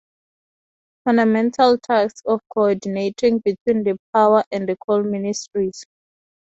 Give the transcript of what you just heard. Fundamental task of coordinating between the power and the coal ministries.